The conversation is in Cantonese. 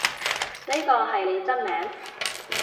呢個係你真名？